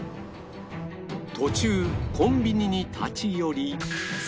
途中コンビニに立ち寄り